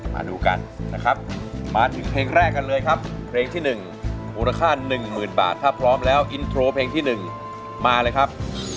มาดูกันนะครับมาถึงเพลงแรกกันเลยครับเพลงที่๑มูลค่า๑๐๐๐บาทถ้าพร้อมแล้วอินโทรเพลงที่๑มาเลยครับ